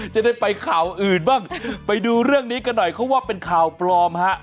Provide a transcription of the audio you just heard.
จะได้ไปข่าวอื่นบ้างไปดูเรื่องนี้กันหน่อยเพราะว่าเป็นข่าวปลอมฮะ